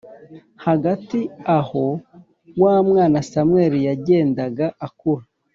Hagati aho wa mwana Samweli yagendaga akura